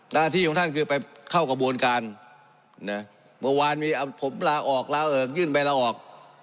หน้าที่ของท่านคือไปเข้ากระบวนการนะเมื่อวานมีผมลาออกลาเอิกยื่นใบลาออก